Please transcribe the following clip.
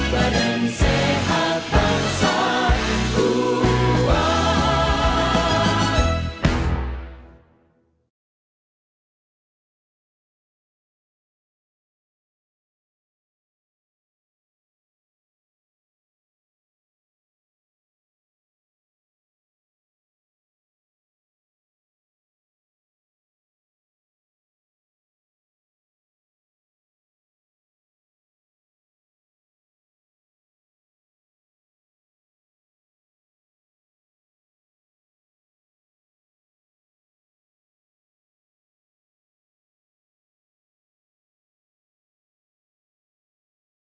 badan sehat bangsa kuat